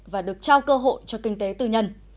và được trao cơ hội cho kinh tế tư nhân